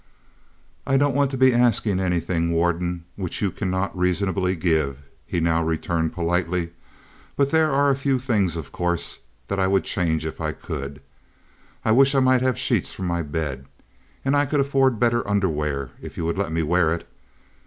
"I don't want to be asking anything, Warden, which you cannot reasonably give," he now returned politely. "But there are a few things, of course, that I would change if I could. I wish I might have sheets for my bed, and I could afford better underwear if you would let me wear it.